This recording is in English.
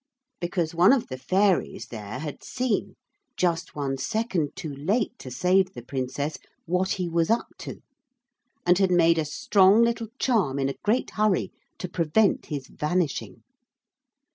Because one of the fairies there had seen, just one second too late to save the Princess, what he was up to, and had made a strong little charm in a great hurry to prevent his vanishing.